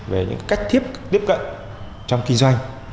về những cách tiếp cận trong kinh doanh